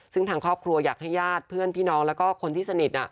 ซึ่งทางครอบครัวอยากให้ญาติเพื่อนพี่น้องแล้วก็คนที่สนิท